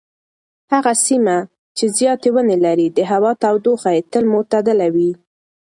هغه سیمه چې زیاتې ونې لري د هوا تودوخه یې تل معتدله وي.